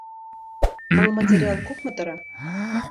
Был материал күпме тора?